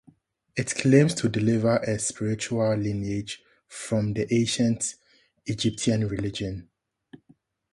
It claims to derive a spiritual lineage from the Ancient Egyptian religion.